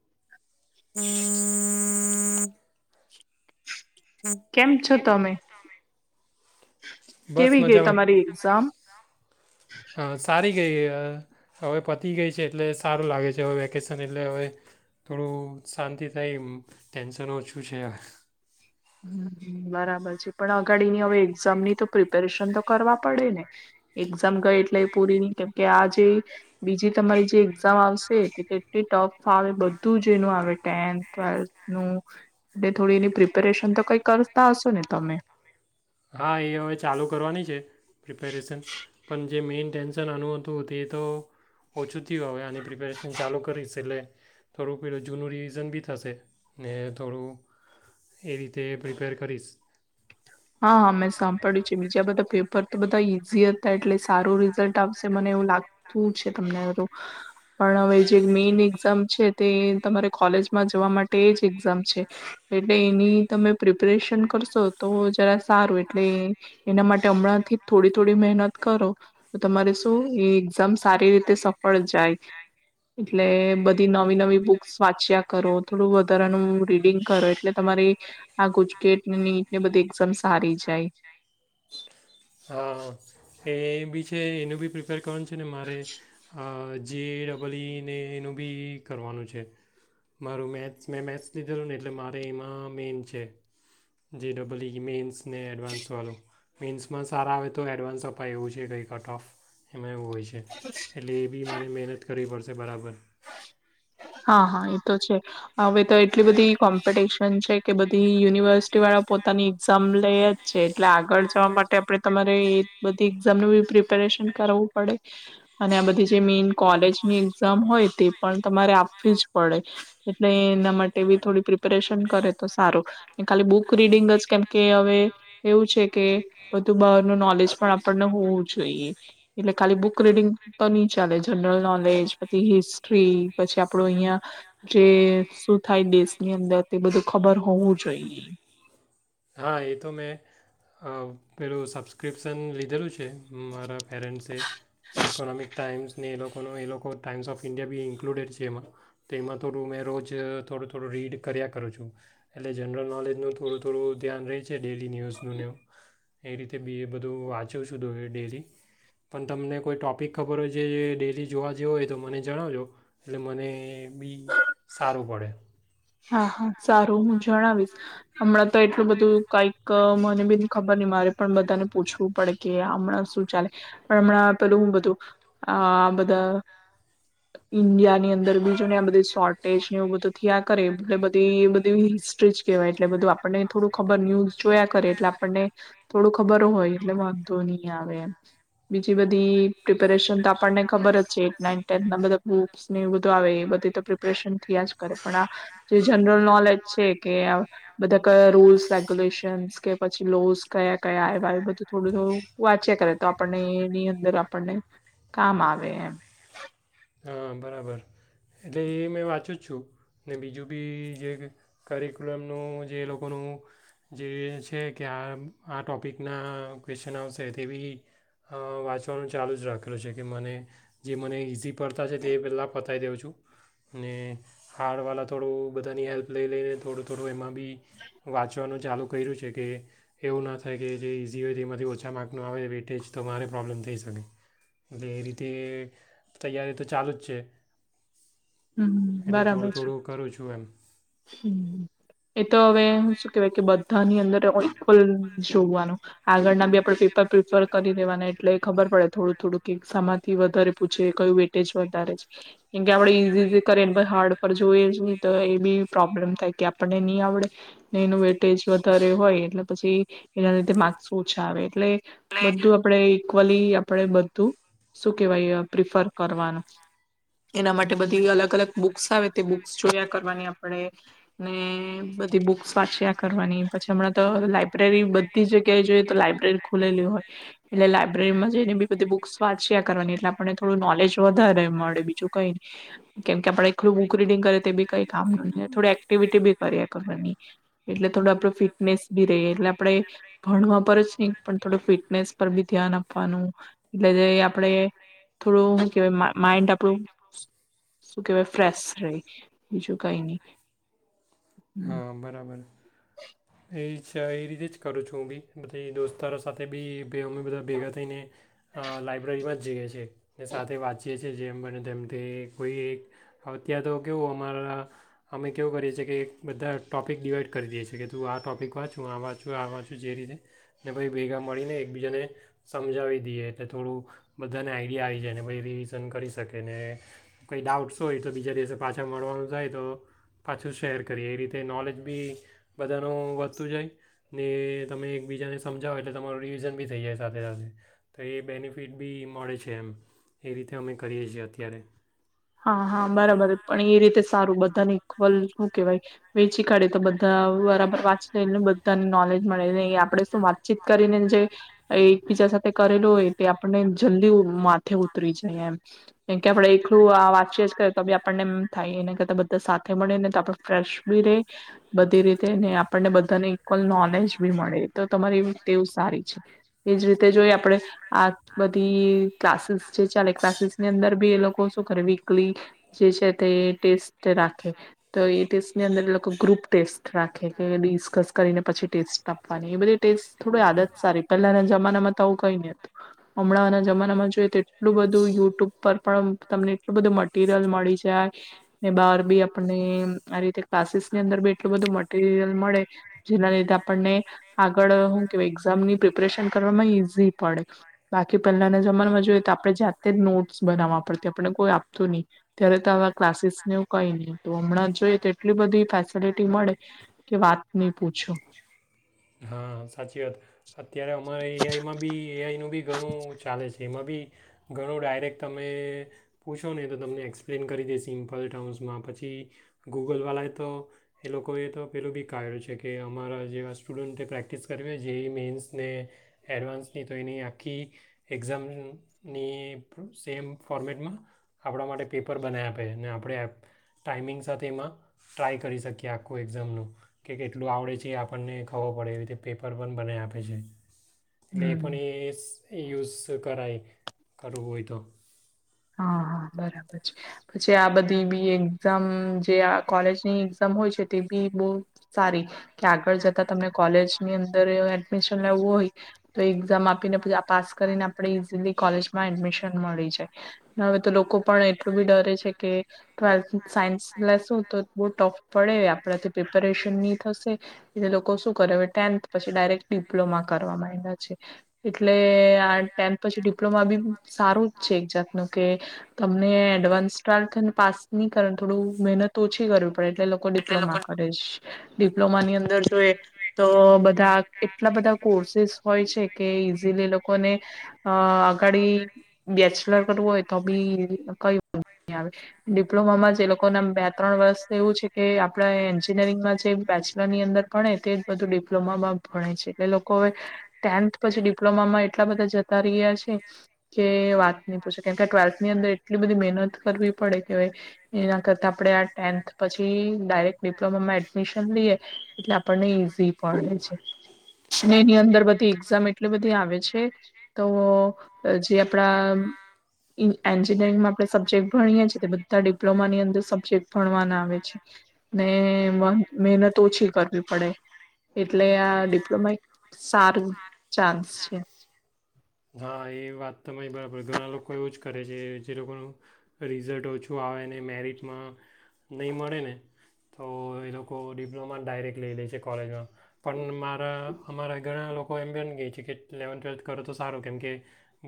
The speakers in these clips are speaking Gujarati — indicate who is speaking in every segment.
Speaker 1: [unintelligible] [unintelligible]
Speaker 2: કેમ છો તમે?
Speaker 1: બસ
Speaker 2: કેવી ગઈ
Speaker 1: મજામાં
Speaker 2: તમારી એક્ઝામ?
Speaker 1: હા સારી ગઈ હવે પતી ગઈ છે એટલે સારું લાગે છે હવે વેકેશન એટલે હવે થોડું શાંતિ થાય ટેન્શન ઓછું છે હવે.
Speaker 2: હ બરાબર છે પણ અગાડીની હવે એક્ઝામ ની તો પ્રિપેરેશન તો કરવા પડે ને એક્ઝામ ગઈ એટલે એ પૂરી નહી કેમકે આ જે બીજી તમારી જે એક્ઝામ આવશેટલી ટફ આવે બધું જ એનું આવે ટેન્થ ટ્વેલ્થ નું એ થોડી એની પ્રપ પ્રપરેશન તો કઈ કરતા હશો ને તમે?
Speaker 1: હા એ હવે ચાલુ કરવાની છે પિપેરેશન પં જે મેઈન ટેન્શન આનું હતું તે એ તો ઓછુંથી હોય આની પ્રિપેરેશન ચાલુ કરીશ એટલે થોડુંક પેલું જૂનું રિવિઝન બી થશે ને થોડું એ રીતે પ્રિપેર કરીશ.
Speaker 2: હા હા મેં સાંભળ્યું છે બીજા બધા પેપર તો બધા ઈઝી હતા એટલે સારું રિઝલ્ટ આવશે મને એવું લાગતું છે તમને બધું પણ હવે જે મેઈન એક્ઝામ છે તે તમારે કોલેજમાં જવા માટે જ એક્ઝામ છે એટલે એની તમે પ્રિપરેશન કરશો તો જરા સારું એટલે એના માટે હમણાં થી થોડી થોડી મહેનત કરો તો તમારે શું એ એક્ઝામ સારી રીતે સફળ જાય એટલે બધી નવી નવી બુક્સ વાંચ્યા કરો થોડું વધારાનું રીડિંગ કરો એટલે તમારી આ ગુચકેટ નીટ ને બધી સંસારી જાય.
Speaker 1: હા એ બી છે એનું બી પ્રિપેર કોણ છે ને મારે જે ડબલ ઇને એનું બી કરવાનું છે મારું મેથ્સ મેં મેથ્સ લીધેલું ને એટલે મારે એમાં મેઇન છે જે ડબલ ઈ મેન્સ સ્ને એડવાન્સ વાલું. મેેન્સમાં સારા આવે તો એડવાન્સ અપાય એવું છે કે કંઈ કટ ઓફ એમાં એવું હોય છે. એટલે એ બી મને મહેનત કરવી પડશે. બરાબર.
Speaker 2: હા હા એ તો છે હવે તો એટલી બધી કોમ્પિટિશન કે બધી યુનિવર્સિટી વાળા પોતાની એક્ઝામ લઈ જ છે. એટલે આગળ જવા માટે આપણે તમારે બધી એક્ઝામ ન બી પ્રિપેરેશન કરવું પડે અને આ બધી જે મેન કોલેજની એક્ઝામ હોય તે પણ તમારે જ પડે એટલે એના માટે બી થોડી પ્રિપેરેશન કરે તો સારું ખાલી બુક રીડિંગ જ- કેમકે હવે એવું છે. કે બધુ બારનું નોલેજ પણ આપ હોવું જોઈએ. એટલે ખાલી બુક રીડિંગ તો ની ચાલે જનરલ નોલેજ પછી હિસ્ટ્રી પછી આપડ અહિયાં જે શું થાય દેશની અંદર તે બધું ખબર હોવું જોઈએ.
Speaker 1: હા એ તો મેં પેલું સબસ્ક્રિપ્શન લીધેલું છે. મારા પેરેન્ટસે ઇકોનોમિક ટાઈમ્સ ને એ લોકોનો એ લોકો ટાઈઇ્સ ઓફ ઇન્ડિયા બી ઇન્ક્કલુડેડ છે. એમાં તો એમાં થોડું મેં રોજ થોડું-થોડું રીડ કર્યા કરું છું. એટલે જનરલ નોલેજનું થોડું-થોડું [inaudible] ડેલી ન્યૂઝનું ન્યો એ રીતે બી એ બધું વાંચું શુંધું એ ડેલી પણ તમને કોઈ ટૉપિક ખબર હોય જે ડેલી જોવા જેવું હોય તો મને જણાવજો એટલે મને બી સારું પડે.
Speaker 2: હા હા સારું હું જણાવીશ હમણાં તો એટલું બધું કઈક મને બીની ખબર ન મારે પણ બધાને પૂછવું પડે કે હમણાં શું ચાલે પણ હમણાં પેલું હું બધું આ બધા ઈન્ડિયા ની અંદર બીજું ને આ બધ શોર્ટેજ ને એવું બધું થ [inaudible] તો આપણને ખબર જ છે. એ ના ટેન્થ ના બધા બુક્સ ને એ બધું આવે એ બધી તો પ્રિપરેશન થયા જ કરે પણઆ જે જનરલ નોલેજ છે. કે બધા કયા રૂલ્સ રેગ્યુલેશન્સ કે પછી લોસ કયા-કયા આવ્યા એ બધું થોડું-થોડું વાંચે કરે તો આપણને એની અંદર આપણને કામ આવે એમ
Speaker 1: હા બરાબર એટલે એ મેં વાંચું જ છું. ને બીજું બી જે કરિક્યુલમનું જે એ લોકોનું જે છે. કે આ આ ટોપિકના ક્વેશ્ચન આવશે તે બી વાંચવાનું ચાલુ જ રાખેલ છે. કે મ જે મ ઇઝી પડતા છે. તે પેલા પતાવી દેવ છું. અને હાર્ડવાળ થોડું બધાની હેલ્પ લઈ લઈને થોડું-થોડું એમાં બી વાંચનો ચાલુ કર્યું છે. કે એવું ના થાય કે જે ઇઝી હોય તે એમાંથી ઓછા માર્કનો આવે વેટેે જ તો મારે પ્રોબ્લેમ થઈ શકે. એટલે એ રીતે તૈયારી તો ચાલુ જ છે.
Speaker 2: હમ
Speaker 1: એટલે થોડું-થોડું કરું છું એમ.
Speaker 2: હમ્મ એ તો હવે શું કેહેવાય કે બધાની અંદર એકલ જોવાનું આગળના બે આપણે પેપર પ્રેફર કરી દેવાના એટલે ખબર પડે થોડું-થોડું કે સમાંથી વધારે પૂછે કયું વેટેજ વધારે છે. કેમ કે આપડે ઈઝી કરે ને હાર્ડ પર જોઈએ. જ નહી તો એ બી પ્રોબ્લેમ થાય કે આપણને નહી આવડે ને એનું વે ટેજ વધારે હોય એટલે પછી એના લીધે માર્ક્સ ઓછા આવે એટલે બધું આપડે ઇક્વલી આપણેે બધું શું કેવાય પ્રિફર કરવાનું એના માટે બધી અલગ અલગ બુક્સ આવે તે બુક્સ જોયા કરવાની આપણે ને બધી બુક સ્વાચ્યા કરવાની પછી હમણાં તો લાયબ્રેરી બધી જગ્યાએ જોઈએ તો લાઈબ્રેરી ખુલેલી હોય એટલે લાયબ્રેરીમાં જઈને બી બધી બુક વાવાચ્યા કરવાની એટલે આપને થોડું નોલેજ વધારે મળે બીજું કઈ કેમ કે આપડે એલું બુક રીડિંગ કરે તે બી કઈ કામ ન નહી થોડી એક્ટિવિટી બી કરીએ કરવાની એટલે થોડો આપડો ફિટનેસબી રહીએ એટલે આપડણે ભણવા પર જ નહી પણ થોડું ફિટનેસ પર બી ધ્યાન આપ આપવાનું એટલે જે આપણે થોડું શું કેવાય માઈન્ડ આપણું શું કેહેવાય ફ્રેશ રહે બીજું કઈ નહી
Speaker 1: હા બરાબર
Speaker 2: હ
Speaker 1: એ એ રીતે જ કરું છું હું બી બધી દોસ્તારો સાથે બી અમે બધા ભેગા થઈને અ લાઈબ્રેરી માં જઈએ છીએ ને સાથે વાતચીએ છીએ જેમ બને તેમથી કોઈ એક ત્યાં તો કેવું અમારા અમે કેવું કરીએ છીએ કે બધા ટોપિક ડીવાઈડ કરી દઈએ છી કે હું આ ટોપિક વાંચું આવા છું આવા છું જે રીતે ને ભાઈ ભેગા મળીને એકબીજાને સમજાવી દઈએ એટલે થોડું બધાને આઈડિયા આવી જાય ને ભાઈ રિવિઝન કરી શકે ને કંઈ ડાઉટ્સ હોય તો બીજા દિવસે પાછા મળવાનું જાય તો પાછું શેર કરીએ એ રીતે નોલેજ બી બધાનું વધતું જાય ને તમે એકબીજાને સમજાવો એટલે તમારું રિવિઝન બી થઈ જાય સાથે સાથે તો એ બેનિફિટ બી મળે છે એમ એ રીતે અમે કરીએ છીએ અત્યારે
Speaker 2: હા હા બરાબર પણ એ રીતે સારું બધાને ઈક્વલ શું કેવાય વેચી કાઢે તો બધા બરાબર વાંચી લેને બધાને નોલેજ મળે એ આપણેે શું વાતચીત કરીને જે એકબીજા સાથે કરેલું હોય તે આપને જલ્દી માથે ઉતરી જઈએ એમ કેમ કે આપણે એલું આ વાતચી જ કર તો બી આપણને એમ થાયને કરતા બધા સાથે મળે ને તો આપ ફ્રેશ ભી ર રહે બધી રીતે ને આપણને બધાને ઇક્વલ નોલેજ બી મળે તો તમારી તેવું સારી છે એજ રીતે જોઈ આપણે આ બધી ક્લાસીસ છે ચાલે ક્લાસીસ ની અંદર બી એ લોકો કરે વીકલી જે છે તે ટેસ્ટ રાખે તો એ ટેસ્ટની અંદર એ લોકો ગ્રુપ ટેસ્ટ રાખે કે ડિસ્કસ કરીને પછી ટેસ્ટ આપવાની એ બધી ટેસ્ટ થોડ આદત સારી પેલાના જમાનામાં તો આવું ક હમણાં જમાનામાં જોઈએ તો એટલું બધું યુટ્યુબ પર પણ એટલું બધું મટરિયલ મળી જાય ને બહાર બી આપણને આ રીતે ક્લાસીસની અંદર બી એટલું બધું મટીરિયલ મળે જેના લીધે આપણને આગળ શું કે એક્ઝામની પ્રિપરેશન કરવાવામાં ઈઝી પડે બાકી પહેલાના જમામાં જોઈએ તો આપણે જાતે જ નોટ્સ બનાવવા આપને કોઈ આપતું નહી ત્યારે તો આવા ક્લાસીસ ને એવું કઈ નહી તો હમણાં જોઈએ તો એટલી બધી ફેસલિટી મળે કે વાત નહી પૂછો
Speaker 1: હા સાચી વાત તો બી ઘણું ચાલે છે એમાં બી ઘણો ડાયરેક્ટ તમે પૂછો ને એ તો તમને એક્સપ્લેન કરી દે સિમ્પલ ટર્મ્સમાં પછી ગૂગલવાળાએ તો એ લોકોએ તો પેલું બી ક્યું છે કે અમારા જેવા સ્ટુડન્ટ પ્રેક્ટિસ કરવી જે એ મેન્સને એડવાન્સ હી તો એની આખી એક્ઝામની સેમ ફોર્મેટમાં આપણા માટે પેપર બનાવી આપે અનેને આપણે ટાાઈમિંગ સાથે એમાં ટ્રાય કરી શકીએ આખું એક્ઝામનું કે કેટલું આવડે છે એ આપણને ખબર પડે એવી રીતે પેપર પણ બનાવી આપે છે એટલે
Speaker 2: હમ
Speaker 1: પણ એ યુઝ કરાય કરવું હોયતો
Speaker 2: હા હા બરાબર છે પછી આ બધી બી એક્ઝામ જે આ કોલેજની એક્ઝામ હોય છે તે બી બહુ સારી કે આગળ જ તમને કોલેજ ની અંદર એડમીશન લેવું હોય તો એક્ઝામ આપીને પછી પાસ કરીને આપણે ઈઝીલી કોલેજ માં એડમિશન મળી જાય હવે તો લોકો પણ એટલું બી ડરે છે કે ટ્વેલ્થ સાયન્સ લેસુ તો બહ ટફ પડે આપણાથી પ્રિપરેશન નહી થશે એટલે લોકો શું કરે હવે ટેન્થ પછી ડાયરેક્ટ ડિપ્લોમા કરવા માં એના છે એટલે આ ટેન્થ પછી ડિપ્લોમાી સારું જ છે એક જાત કે તમને એડવાન્સ ટવેલ્થને પાસ નહી કર થોડું મહેનત ઓછી કરવી પડે એટલે લોકો ડિપ્લોમા કરે છે ડિપ્લોમા ની અંદર જોઈએ તો બધ બ એટલા બધા કોર્સીસ હોય છે કે ઈઝીલી એ લોકોને આગાડી બેચલર હોય બી [inaudible] ડિપ્લોમામાં જે લોકો ના બે ત્રણ વર્ષ એવું છે કે આપણા એન્જિનિયરિંગમાં જે બેચલર ની અંદર ભણે તે બધું ડિપ્ માં ભણે છે એટલે લોકો હવે ટેન્થ પછી ડિપ્લોમામાં એટલા બધા જતા રહયા છે કે વા નહી પૂછે કેમકે ટ્વેલ્થ ની અંદર એટલી બધી મહેનત કરવી પડે કે એના કરતા આપણે આ ટેન્થ પછી ડાયરેક્ટ ડિપ્લોમામાં એડમિશન લઈએ એટલે આપણને ઈઝી પે છે એની અંદર બધી એક્ઝામ એટલી બધી આવે છે તો જે આપડા એન્જિનિયરિંગમાં આપણે સબ્જેક્ટ ભણીએ છીએ તો બધા ડિપ્લોમાની અંદર સબ્જેક્ટ ભણવાના આવે છે ને મહેનત ઓછી કરવી પડે એટલે આ ડિપ્લોમા એક સારું ચાન્સ છે
Speaker 1: હા એ વાત તમારી બરાબર ઘણા લોકો એવું જ કરે છે જે લોકોનું રિઝલ્ટ ઓછું આવે ને મેરિટમાં નહીં મળે ને તો એ લોકો ડિપ્લોમા ડાયરેક્ટ લઈ લે છે કોલેજમાં પણમાં અમારા ઘણા લોકો કો એમ બન ગઈ છે કે લલેવન્થ ટ્વેલ્થ કરો તો સારું કેમ કે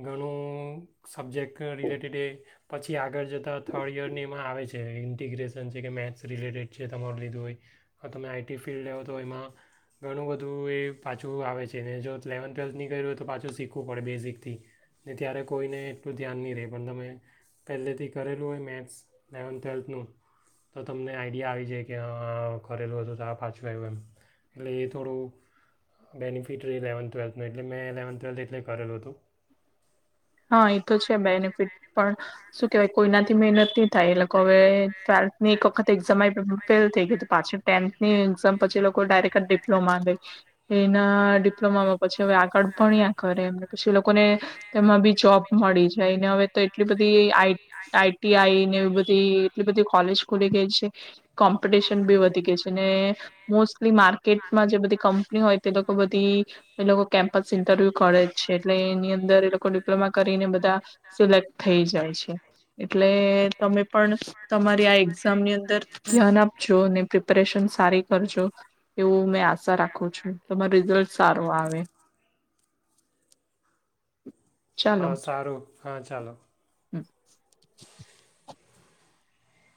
Speaker 1: ઘણું સબ્જેક્ટ રિલેટેડ એ પછી આગળ જતાં થર્ડ યરની એમાં આવે છે ઇન્ટિગ્રેશન છે કે મેથ્સ રિલેટેડ છે તમારું લીધું હોય તમે આઈટી ફિલ્ડ લેવો તો એમાં ઘણું બધું એ પાછું આવે છે ને જો ઇલેવન્થ ટ્વેલ્થની કર્યું હોય તો પાછું શીખવું પડે બેઝિકથી ને ત્યારે કોઈને એટલું ધ્યાન નહીં રહે પણ તમે પહેલેથી કરેલું હોય મેથ્સ લલેવન્થ ટ્વેલ્થનું તો તમને આઈડિયા આવી જાય કે હા કરેલું હતું તો આ પાછું આવ્યું એમ એટલે એ થોડું બેનિફિટ રહ્યું ઇલેવન્થ ટ્વેલ્થનું એટલે મેં ઇલેવન્થ ટ્વેલ્થ એટલે કરેલું હતું
Speaker 2: હા એ તો છે બેનિફિટ પણ શું કેહેવાય કોઈનાથી મહેનત નહી થાય એ લોકો હવે ટ્વેલ્થ ની એક વખત એક્ઝામ ફેલ થઈ ગયું પાછી ટેન્થ ની એક્ઝામ પછી લોકો ડાયરેક્ટ ડિપ્લોમા ગઈ એના ડિપ્લોમામાં પછી હવે આગળ પણ કરે પછી લોકોને એમાં બી જોબ મળી જાયને હવે તો એટલી બધી આ ટીઆઈ ને એ બધી એટલી બધી કોલેજ ખુલી ગઈ છે કોમ્પિટિશન બી વધી ગઈ છે ને મોસ્ટલી માર્કેટમાં જે બધી કંપની હોય તે લોકો બધી એ લોકો કેમ્પસ ઇન્ટરવ્યુ કરે છે એટલે એની અંદર એ લોકો કરીને બધા સિલેક્ટ થઈ જાય છે એટલે તમે પણ તમારી આ એક્ઝામની અંદર ધ્યાન આપજો પ્રિપરેશન સારી કરજો એવ આશા રાખું છું તમાર રિઝલ્ટ સારો આવે
Speaker 1: હા સારું હા ચાલો
Speaker 2: હમ [unintelligible]